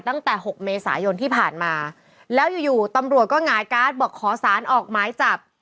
ตั้งแต่๖เมษายนที่ผ่านมาแล้วอยู่อยู่ตำรวจก็หงายการ์ดบอกขอสารออกหมายจับ